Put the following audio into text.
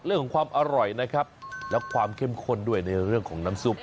เรื่องของความอร่อยนะครับและความเข้มข้นด้วยในเรื่องของน้ำซุป